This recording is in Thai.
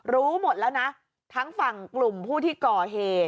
รู้หมดแล้วนะทั้งฝั่งกลุ่มผู้ที่ก่อเหตุ